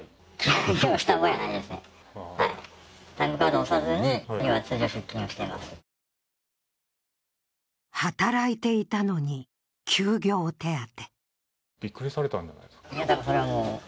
だが働いていたのに休業手当。